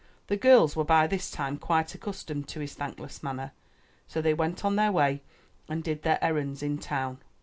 The girls were by this time quite accus tomed to his thankless manner, so they went on their way and did their errands in town.